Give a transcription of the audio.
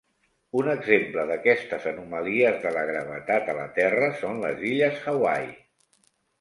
Un exemple d'aquestes anomalies de la gravetat a la Terra són les illes Hawaii.